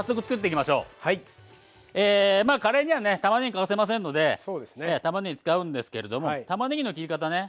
カレーにはねたまねぎ欠かせませんのでたまねぎ使うんですけれどもたまねぎの切り方ね。